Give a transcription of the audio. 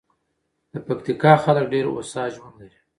د پکتیکا خلک ډېر هوسا ژوند لري.